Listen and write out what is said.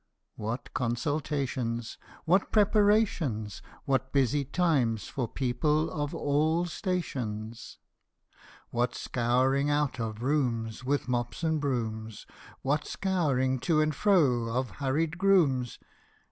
What consultations ! What preparations ! What busy times for people of all stations ! What scouring out of rooms With mops and brooms ! What scouring to and fro of hurried grooms